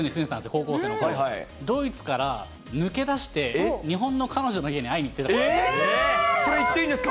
高校生のころ、ドイツから抜け出して、日本の彼女の家に会いに行ってたことあります。